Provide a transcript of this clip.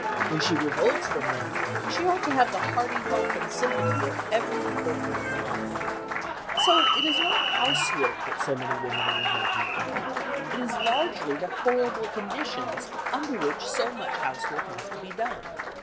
When she revolts from them, she ought to have the hearty help and sympathy of every reformer in the land. So it is not housework that so many women are revolting from. It is largely the horrible conditions under which so much housework has to be done.